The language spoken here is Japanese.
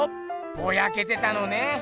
ボヤけてたのね。